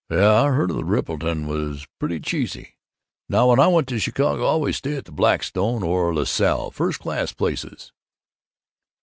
"Yuh, I've heard the Rippleton was pretty cheesy. Now, when I go to Chicago I always stay at the Blackstone or the La Salle first class places."